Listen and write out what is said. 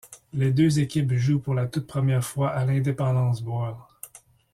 Les deux équipes jouent pour la toute première fois à l'Independence Bowl.